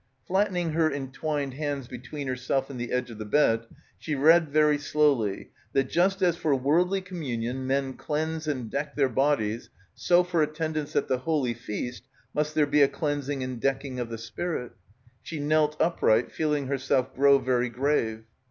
Flattening her entwined hands between herself and the edge of the bed, she read very slowly that just as for worldly communion men cleanse and deck their bodies so for attendance at the Holy Feast must there be a cleansing and decking of the spirit. She knelt upright, feeling herself grow very grave.